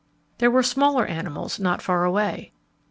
There were smaller animals not far away.